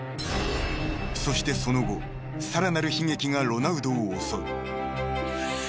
［そしてその後さらなる悲劇がロナウドを襲う］